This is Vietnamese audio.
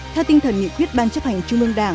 theo tinh thần nghị quyết ban chấp hành trung ương đảng